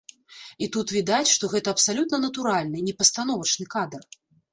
І тут відаць, што гэта абсалютна натуральны, не пастановачны кадр.